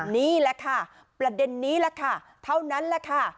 นี่แหละค่ะประเด็นนี้แหละค่ะเท่านั้นแหละค่ะ